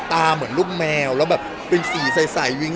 ตาเหมือนลูกแมว